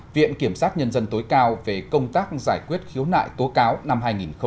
viện kiểm sát nhân dân tối cao về công tác giải quyết khiếu nại tố cáo năm hai nghìn một mươi chín